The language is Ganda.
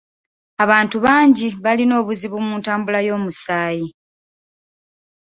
Abantu bangi balina obuzibu mu ntambula y'omusaayi.